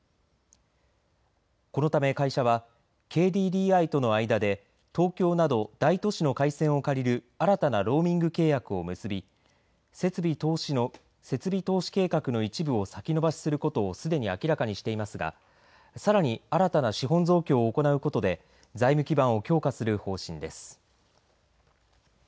このため会社はＫＤＤＩとの間で東京など大都市の回線を借りる新たなローミング契約を結び設備投資計画の一部を先延ばしすることをすでに明らかにしていますがさらに新たな資本増強を行うことで財務強化をする方針です。